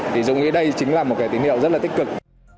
thì dùng ý đây chính là một cái tín hiệu rất là tích cực